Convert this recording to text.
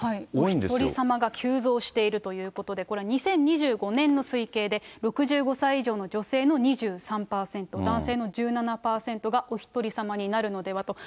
おひとりさまが急増しているということで、これは２０２５年の推計で、６５歳以上の女性の２３％、男性の１７％がおひとりさまになるのではと。